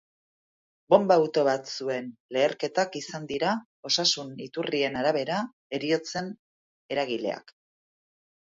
Bonba auto batzuen leherketak izan diaa, osasun iturrien arabera, heriotzen eragileak.